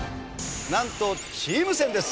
なんとチーム戦です。